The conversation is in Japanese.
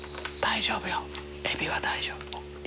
大丈夫よエビは大丈夫。